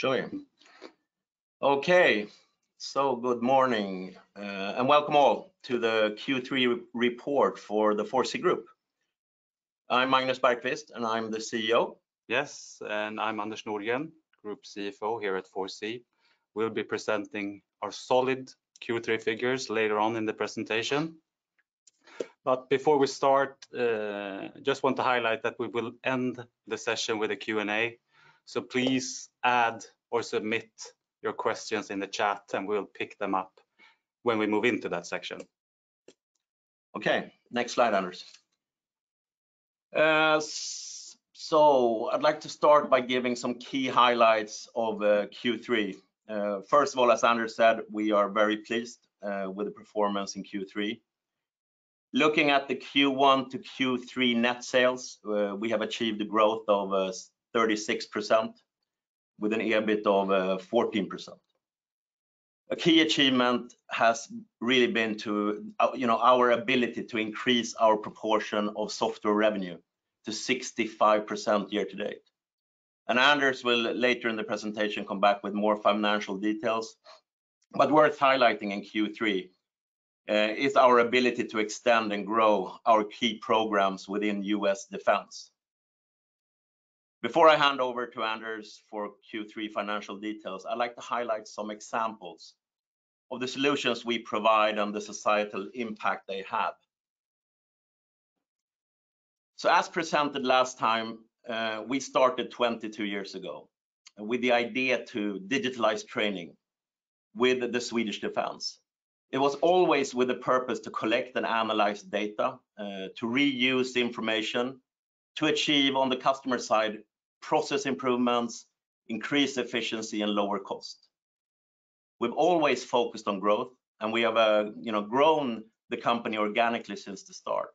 Sure. Okay, good morning, and welcome all to the Q3 report for the 4C Group. I'm Magnus Bergquist, and I'm the CEO. Yes, I'm Anders Nordgren, Group CFO here at 4C. We'll be presenting our solid Q3 figures later on in the presentation. Before we start, just want to highlight that we will end the session with a Q&A, so please add or submit your questions in the chat, and we'll pick them up when we move into that section. Okay, next slide, Anders. I'd like to start by giving some key highlights of Q3. First of all, as Anders said, we are very pleased with the performance in Q3. Looking at the Q1 to Q3 net sales, we have achieved a growth of 36% with an EBIT of 14%. A key achievement has really been to, you know, our ability to increase our proportion of software revenue to 65% year to date, and Anders will, later in the presentation, come back with more financial details. Worth highlighting in Q3 is our ability to extend and grow our key programs within U.S. defense. Before I hand over to Anders for Q3 financial details, I'd like to highlight some examples of the solutions we provide and the societal impact they have. As presented last time, we started 22 years ago with the idea to digitize training with the Swedish Armed Forces. It was always with the purpose to collect and analyze data, to reuse the information, to achieve, on the customer side, process improvements, increase efficiency, and lower cost. We've always focused on growth, and we have, you know, grown the company organically since the start,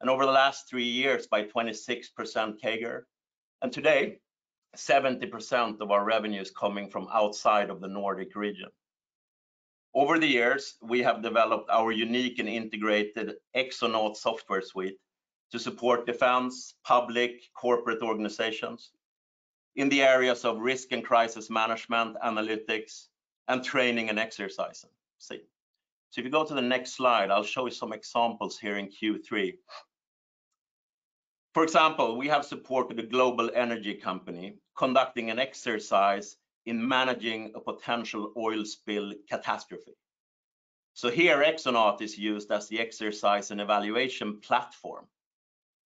and over the last three years by 26% CAGR. Today, 70% of our revenue is coming from outside of the Nordic region. Over the years, we have developed our unique and integrated Exonaut software suite to support defense, public, corporate organizations in the areas of risk and crisis management, analytics, and training and exercising. See. If you go to the next slide, I'll show you some examples here in Q3. For example, we have supported a global energy company conducting an exercise in managing a potential oil spill catastrophe. Here, Exonaut is used as the exercise and evaluation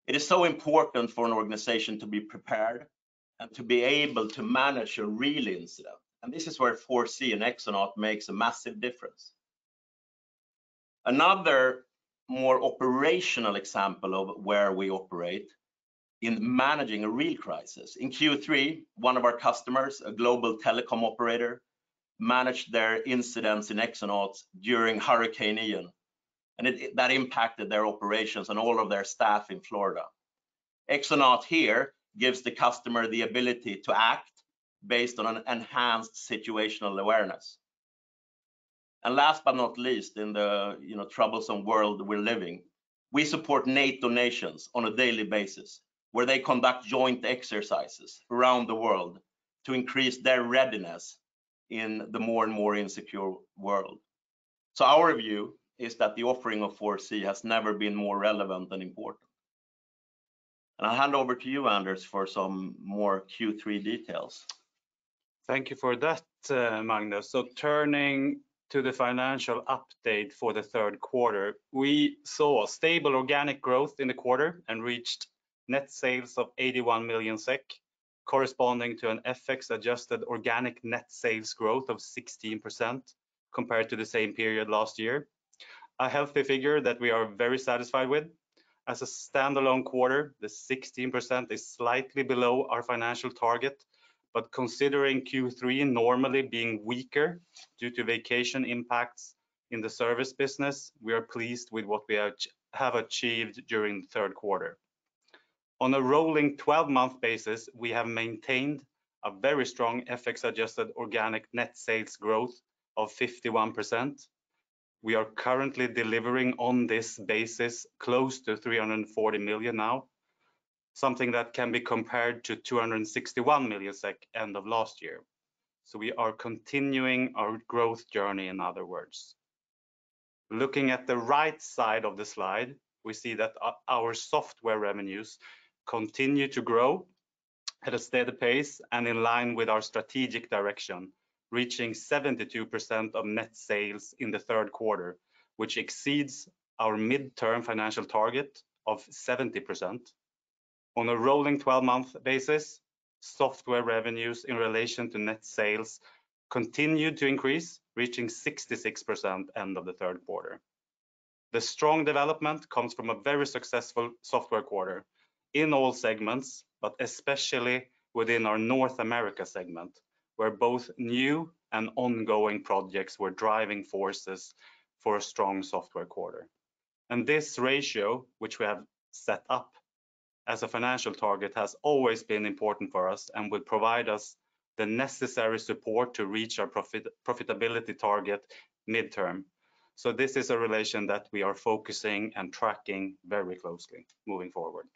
platform. It is so important for an organization to be prepared and to be able to manage a real incident, and this is where 4C and Exonaut makes a massive difference. Another more operational example of where we operate in managing a real crisis, in Q3, one of our customers, a global telecom operator, managed their incidents in Exonaut during Hurricane Ian, and that impacted their operations and all of their staff in Florida. Exonaut here gives the customer the ability to act based on an enhanced situational awareness. Last but not least, in the, you know, troublesome world we're living, we support NATO nations on a daily basis, where they conduct joint exercises around the world to increase their readiness in the more and more insecure world. Our view is that the offering of 4C has never been more relevant and important. I hand over to you, Anders, for some more Q3 details. Thank you for that, Magnus. Turning to the financial update for the third quarter, we saw stable organic growth in the quarter and reached net sales of 81 million SEK, corresponding to an FX-adjusted organic net sales growth of 16% compared to the same period last year, a healthy figure that we are very satisfied with. As a standalone quarter, the 16% is slightly below our financial target, but considering Q3 normally being weaker due to vacation impacts in the service business, we are pleased with what we have achieved during the third quarter. On a rolling 12-month basis, we have maintained a very strong FX-adjusted organic net sales growth of 51%. We are currently delivering on this basis close to 340 million now, something that can be compared to 261 million SEK end of last year, so we are continuing our growth journey, in other words. Looking at the right side of the slide, we see that our software revenues continue to grow at a steady pace and in line with our strategic direction, reaching 72% of net sales in the third quarter, which exceeds our midterm financial target of 70%. On a rolling 12-month basis, software revenues in relation to net sales continued to increase, reaching 66% end of the third quarter. The strong development comes from a very successful software quarter in all segments, but especially within our North America segment, where both new and ongoing projects were driving forces for a strong software quarter. This ratio, which we have set up as a financial target has always been important for us and would provide us the necessary support to reach our profitability target mid-term. This is a relation that we are focusing and tracking very closely moving forward.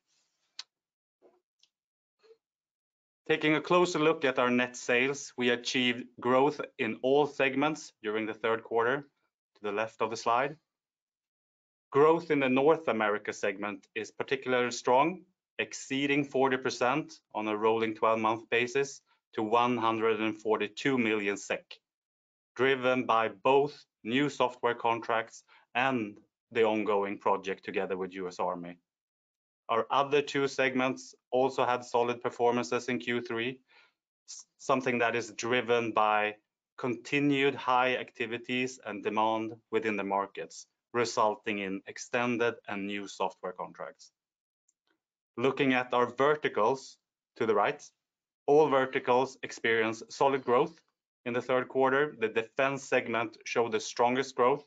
Taking a closer look at our net sales, we achieved growth in all segments during the third quarter to the left of the slide. Growth in the North America segment is particularly strong, exceeding 40% on a rolling 12-month basis to 142 million SEK, driven by both new software contracts and the ongoing project together with U.S. Army. Our other two segments also had solid performances in Q3, something that is driven by continued high activities and demand within the markets, resulting in extended and new software contracts. Looking at our verticals to the right, all verticals experienced solid growth in the third quarter. The defense segment showed the strongest growth,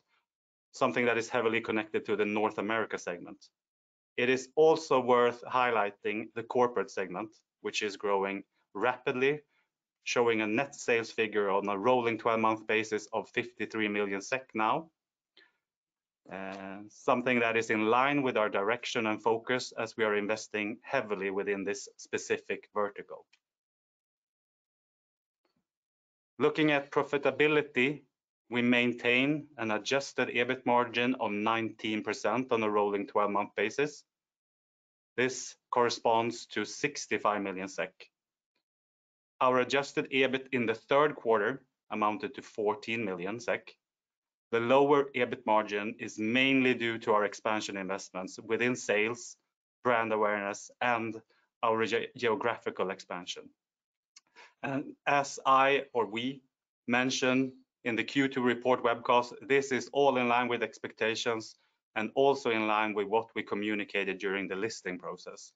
something that is heavily connected to the North America segment. It is also worth highlighting the corporate segment, which is growing rapidly, showing a net sales figure on a rolling 12-month basis of 53 million SEK now. Something that is in line with our direction and focus as we are investing heavily within this specific vertical. Looking at profitability, we maintain an adjusted EBIT margin of 19% on a rolling 12-month basis. This corresponds to 65 million SEK. Our adjusted EBIT in the third quarter amounted to 14 million SEK. The lower EBIT margin is mainly due to our expansion investments within sales, brand awareness and our geographical expansion. As I or we mentioned in the Q2 report webcast, this is all in line with expectations and also in line with what we communicated during the listing process.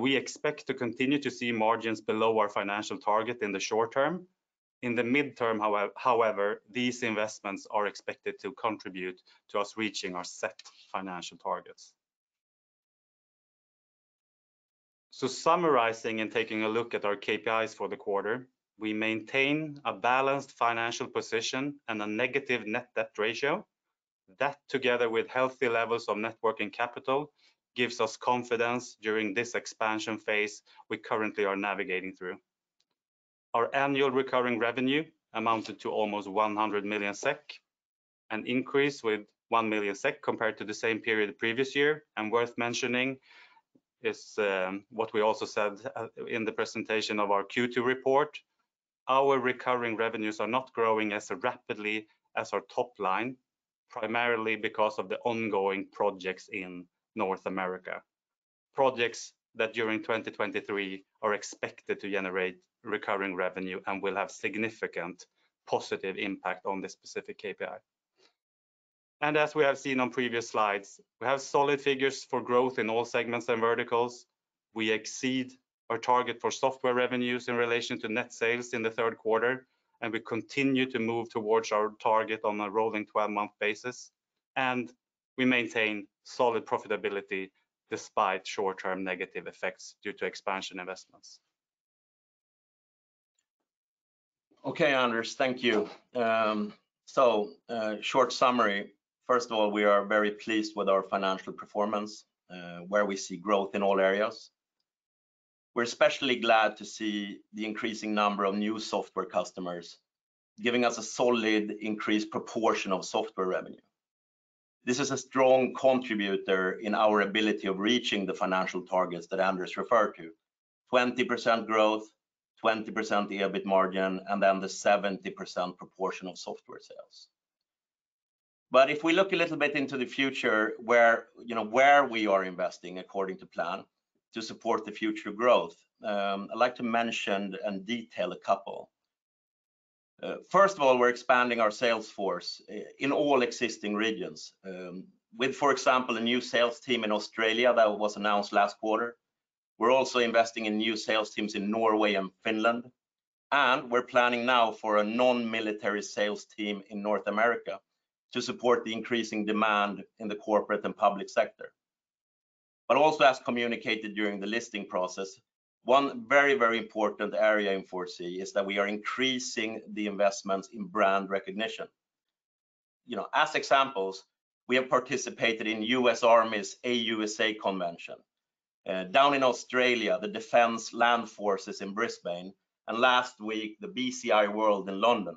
We expect to continue to see margins below our financial target in the short term. In the midterm, however, these investments are expected to contribute to us reaching our set financial targets. Summarizing and taking a look at our KPIs for the quarter, we maintain a balanced financial position and a negative net debt ratio. That together with healthy levels of working capital, gives us confidence during this expansion phase we currently are navigating through. Our annual recurring revenue amounted to almost 100 million SEK, an increase with 1 million SEK compared to the same period the previous year. Worth mentioning is what we also said in the presentation of our Q2 report, our recurring revenues are not growing as rapidly as our top line, primarily because of the ongoing projects in North America. Projects that during 2023 are expected to generate recurring revenue and will have significant positive impact on this specific KPI. As we have seen on previous slides, we have solid figures for growth in all segments and verticals. We exceed our target for software revenues in relation to net sales in the third quarter, and we continue to move towards our target on a rolling twelve-month basis, and we maintain solid profitability despite short-term negative effects due to expansion investments. Okay, Anders, thank you. Short summary. First of all, we are very pleased with our financial performance, where we see growth in all areas. We're especially glad to see the increasing number of new software customers giving us a solid increased proportion of software revenue. This is a strong contributor in our ability of reaching the financial targets that Anders referred to, 20% growth, 20% EBIT margin, and then the 70% proportion of software sales. If we look a little bit into the future where, you know, where we are investing according to plan to support the future growth, I'd like to mention and detail a couple. First of all, we're expanding our sales force in all existing regions, with, for example, a new sales team in Australia that was announced last quarter. We're also investing in new sales teams in Norway and Finland, and we're planning now for a non-military sales team in North America to support the increasing demand in the corporate and public sector. Also as communicated during the listing process, one very, very important area in 4C is that we are increasing the investments in brand recognition. You know, as examples, we have participated in US Army's AUSA Convention. Down in Australia, the Land Forces in Brisbane, and last week, the BCI World in London.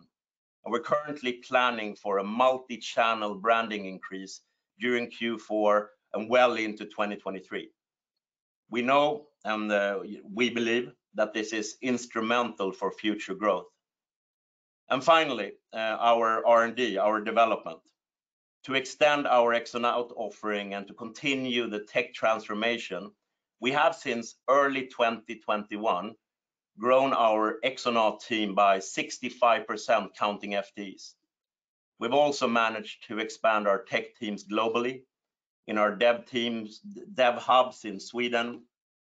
We're currently planning for a multi-channel branding increase during Q4 and well into 2023. We know and, we believe that this is instrumental for future growth. Finally, our R&D, our development. To extend our Exonaut offering and to continue the tech transformation, we have since early 2021, grown our Exonaut team by 65%, counting FTEs. We've also managed to expand our tech teams globally in our dev teams, dev hubs in Sweden,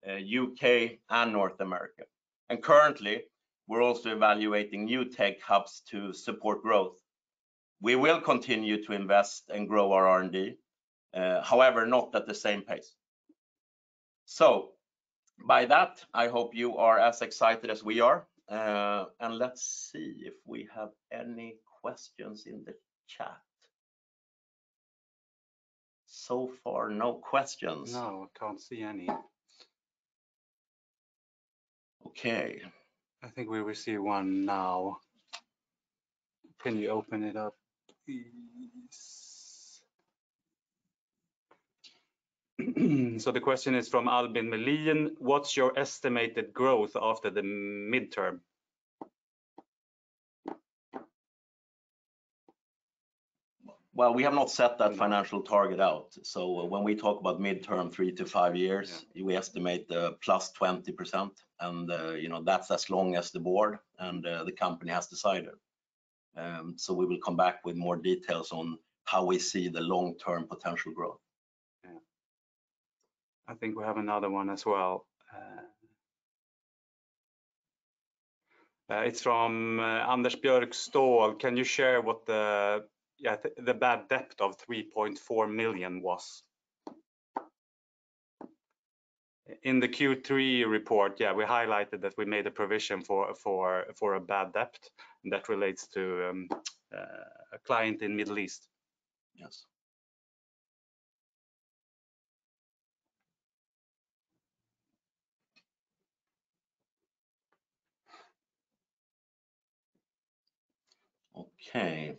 U.K., and North America. Currently, we're also evaluating new tech hubs to support growth. We will continue to invest and grow our R&D, however, not at the same pace. By that, I hope you are as excited as we are. Let's see if we have any questions in the chat. So far, no questions. No, I can't see any. Okay I think we receive one now. Can you open it up, please? The question is from Albin Melion: "What's your estimated growth after the midterm? Well, we have not set that financial target out. When we talk about midterm three to five years. Yeah We estimate the +20% and, you know, that's as long as the board and, the company has decided. We will come back with more details on how we see the long-term potential growth. Yeah. I think we have another one as well. It's from Anders Björkstål: "Can you share what the bad debt of 3.4 million was?" In the Q3 report, we highlighted that we made a provision for a bad debt that relates to a client in Middle East. Yes. Okay.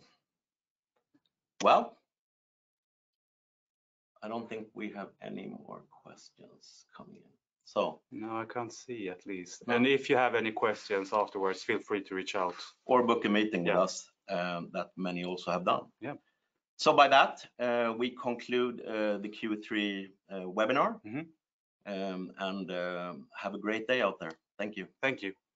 Well, I don't think we have any more questions coming in, so. No, I can't see at least. If you have any questions afterwards, feel free to reach out. Book a meeting with us. Yeah that many also have done. Yeah By that, we conclude the Q3 webinar. Mm-hmm Have a great day out there. Thank you. Thank you.